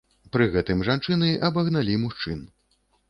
Пры гэтым жанчыны абагналі мужчын.